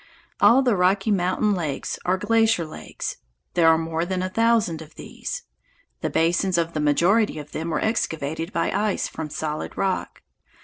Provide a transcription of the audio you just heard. All the Rocky Mountain lakes are glacier lakes. There are more than a thousand of these. The basins of the majority of them were excavated by ice from solid rock.